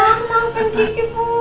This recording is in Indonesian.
apa yang bikin bu